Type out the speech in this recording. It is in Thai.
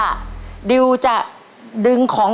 และตัวเลือกที่สี่๓๓๕ตารางกิโลเมตร